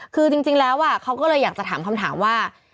คือจริงแล้วเขาก็เลยอยากจะถามคำถามว่า